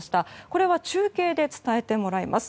これは中継で伝えてもらいます。